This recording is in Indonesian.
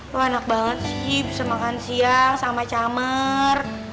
lo enak banget sih bisa makan siang sama camer